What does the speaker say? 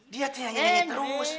dia tanya nyanyi terus